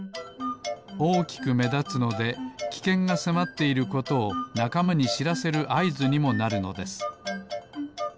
おおきくめだつのできけんがせまっていることをなかまにしらせるあいずにもなるのです。